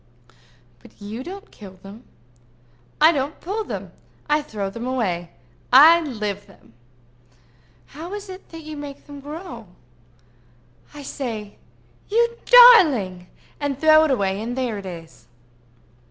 "But you don't kill them." "I don't pull them; I throw them away. I live them." "How is it that you make them grow?" "I say, 'You darling!' and throw it away and there it is."